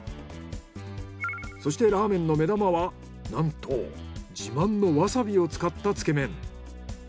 そしてラーメンの目玉はなんと自慢のわさびを使ったつけ麺。